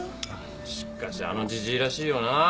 しかしあのじじいらしいよなぁ。